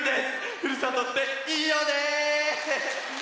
ふるさとっていいよね！